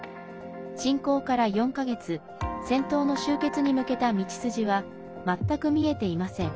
侵攻から４か月戦闘の終結に向けた道筋は全く見えていません。